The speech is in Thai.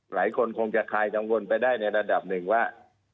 หลายคนคงจะคลายกังวลไปได้ในระดับหนึ่งว่า